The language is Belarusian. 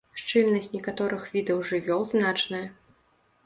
Шчыльнасць некаторых відаў жывёл значная.